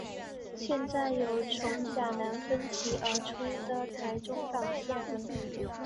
现在有从甲南分歧而出的台中港线。